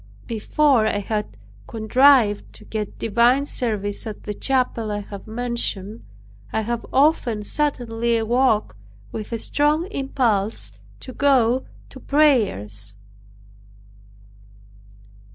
Before I had contrived to get divine service at the chapel I have mentioned, I have often suddenly awoke with a strong impulse to go to prayers.